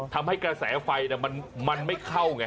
ทำให้กระแสไฟมันไม่เข้าไง